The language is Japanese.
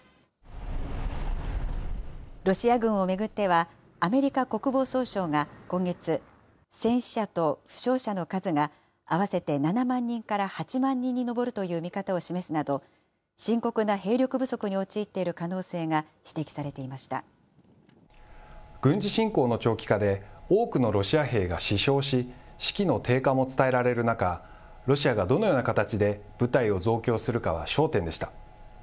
ロシア軍を巡っては、アメリカ国防総省が今月、戦死者と負傷者の数が合わせて７万人から８万人に上るという見方を示すなど、深刻な兵力不足に陥っている可能性が指摘されていま軍事侵攻の長期化で、多くのロシア兵が死傷し、士気の低下も伝えられる中、ロシアがどのような形で部隊を増強するかは焦点でした。